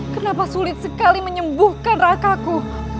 kenapa sulit sekali menyembuhkan rakaku